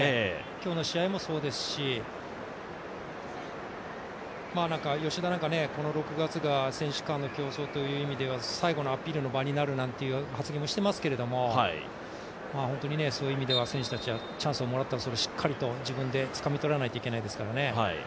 今日の試合もそうですし、吉田なんかこの６月が選手間の競争という意味では最後のアピールの場になるという発言をしていますけども本当にそういう意味では選手たちはチャンスをもらったらしっかりと自分でつかみ取らないといけないですからね。